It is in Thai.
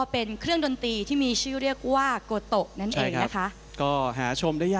โปรดติดตามตอนต่อไป